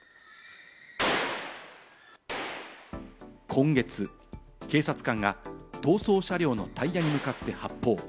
今月、警察官が逃走車両のタイヤに向かって発砲。